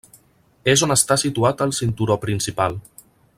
És on està situat el cinturó principal.